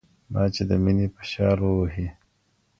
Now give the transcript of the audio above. ما چي د ميني په شال ووهي